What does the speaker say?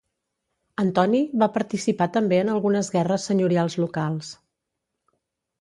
Antoni va participar també en algunes guerres senyorials locals.